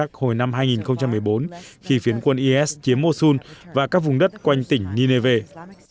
hàng chục nghìn người cơ độc giáo đã tháo chạy khỏi các thành phố ở miền bắc iraq hồi năm hai nghìn một mươi bốn khi phiến quân is chiếm mosul và các vùng đất quanh tỉnh nineveh